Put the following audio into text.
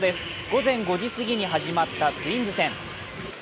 午前５時過ぎに始まったツインズ戦。